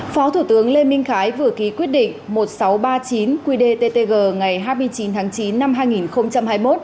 phó thủ tướng lê minh khái vừa ký quyết định một nghìn sáu trăm ba mươi chín qdttg ngày hai mươi chín tháng chín năm hai nghìn hai mươi một